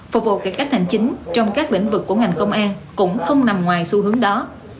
phục vụ cải cách hành chính trong các lĩnh vực của ngành công an cũng không nằm ngoài xu hướng đó